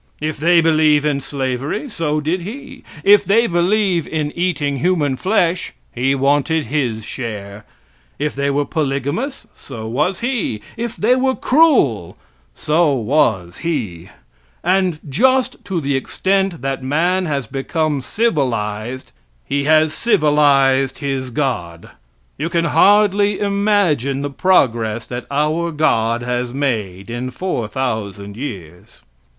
If they believe in slavery, so did he; if they believe in eating human flesh, he wanted his share; if they were polygamous, so was he; if they were cruel, so was he. And just to the extent that man has become civilized, he has civilized his god. You can hardly imagine the progress that our God has made in four thousand years.